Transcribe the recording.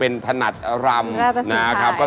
โดยตรง